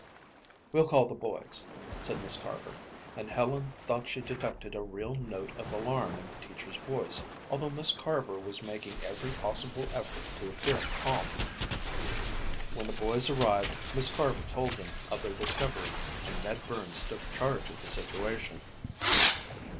"We'll call the boys," said Miss Carver, and Helen thought she detected a real note of alarm in the teacher's voice although Miss Carver was making every possible effort to appear calm. When the boys arrived, Miss Carver told them of their discovery and Ned Burns took charge of the situation.